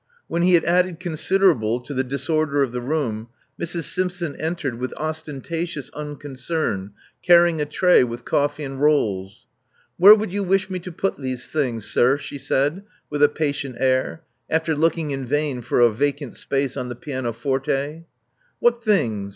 When he had added consider able to the disorder of the room, Mrs. Simpson entered with ostentatious unconcern, carrying a tray with coffee and rolls. '* Where would you wish me to put these things, sir?" she said with a patient air, after looking in vain for a vacant space on the pianoforte. *'What things?